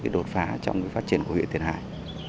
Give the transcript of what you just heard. đột phá trong phát triển của huyện tiền hải